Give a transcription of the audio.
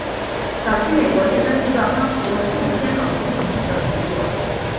早期美国的电灯制造商使用互不兼容的不同底座。